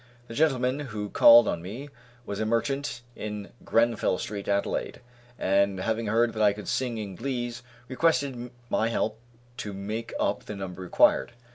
The gentleman who called on me was a merchant in Grenfell street, Adelaide, and having heard that I could sing in glees, requested my help to make up the number required.